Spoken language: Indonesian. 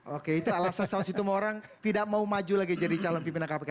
oke alasan alasan situ mau orang tidak mau maju lagi jadi calon pimpinan kpk